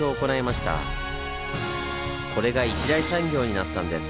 これが一大産業になったんです。